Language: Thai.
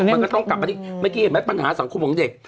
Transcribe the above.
มันก็ต้องกลับมาที่เมื่อกี้เห็นไหมปัญหาสังคมของเด็ก